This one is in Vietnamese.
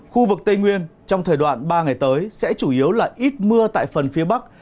khu vực tây nguyên trong thời đoạn ba ngày tới sẽ chủ yếu là ít mưa tại phần phía bắc